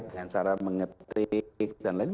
dengan cara mengetik dan lain